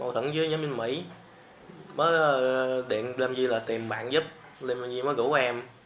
tận dưới nhóm bên mỹ mới điện làm gì là tìm bạn giúp liên quan gì mới gửi em